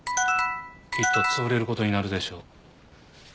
きっと潰れる事になるでしょう。